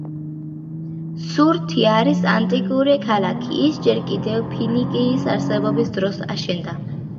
სურთი არის ანტიკური ქალაქი, ის ჯერ კიდევ ფინიკიის არსებობის დროს აშენდა.